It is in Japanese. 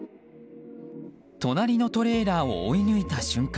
隣のトレーラーを追い抜いた瞬間